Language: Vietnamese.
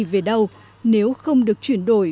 về đâu nếu không được chuyển đổi